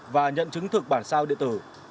và nhận chứng thực bản sao điện tử